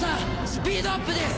スピードアップです！